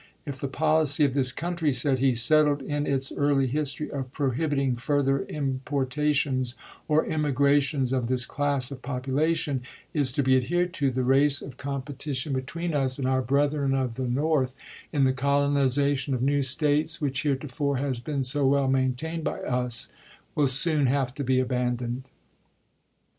" If the policy of this country," said he, " settled in its early history, of prohibiting further importations or immigrations of this class of popu lation, is to be adhered to, the race of competition STEPHENS'S SPEECH 269 between us and our brethren of the North in the colonization of new States, which heretofore has been so well maintained by us, will soon have to be abandoned."